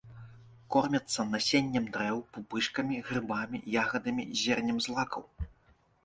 Кормяцца насеннем дрэў, пупышкамі, грыбамі, ягадамі, зернем злакаў.